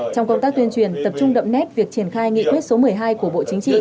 trong công tác tuyên truyền tập trung đậm nét việc triển khai nghị quyết số một mươi hai của bộ chính trị